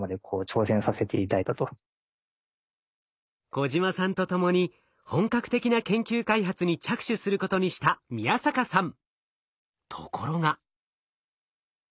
小島さんと共に本格的な研究開発に着手することにした宮坂さん。